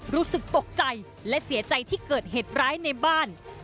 รู้สึกตกใจและเสียใจที่เกิดเหตุร้ายในบ้าน